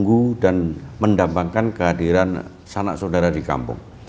mengganggu dan mendambangkan kehadiran sanak saudara di kampung